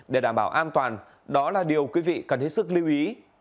để đảm bảo an toàn đó là điều quý vị cần hết sức lưu ý